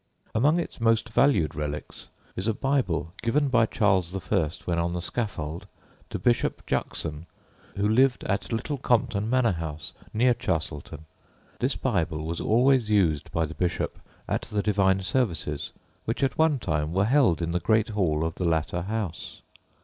Among its most valued relics is a Bible given by Charles I. when on the scaffold to Bishop Juxon, who lived at Little Compton manor house, near Chastleton. This Bible was always used by the bishop at the Divine services, which at one time were held in the great hall of the latter house.